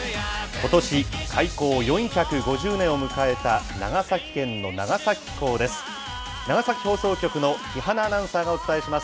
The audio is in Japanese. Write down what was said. ことし開港４５０年を迎えた、長崎県の長崎港です。